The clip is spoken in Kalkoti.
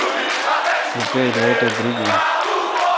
اں پے° لیٹ اے° دریگ این۔